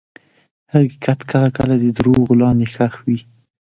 حقیقت کله کله د دروغو لاندې ښخ وي.